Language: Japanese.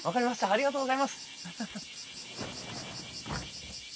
ありがとうございます！